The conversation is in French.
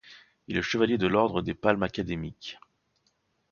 Il est chevalier de l'Ordre des Palmes académiques.